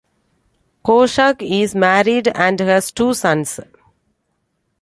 Kozak is married and has two sons.